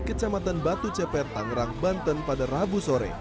kecamatan batu ceper tangerang banten pada rabu sore